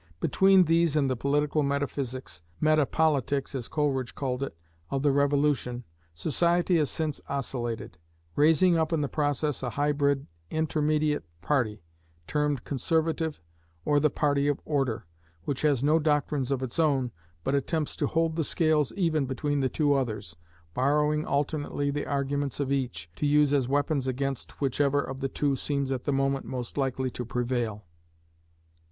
Between these and the political metaphysics (meta politics as Coleridge called it) of the Revolution, society has since oscillated; raising up in the process a hybrid intermediate party, termed Conservative, or the party of Order, which has no doctrines of its own, but attempts to hold the scales even between the two others, borrowing alternately the arguments of each, to use as weapons against whichever of the two seems at the moment most likely to prevail.